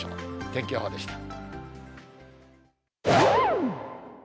天気予報でした。